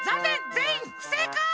ぜんいんふせいかい！